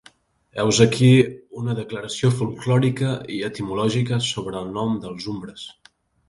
Heus aquí una declaració folklòrica i etimològica sobre el nom dels Umbres.